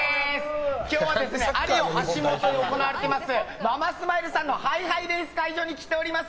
今日はアリオ橋本で行われているママスタイルさんのハイハイレース会場に来ております。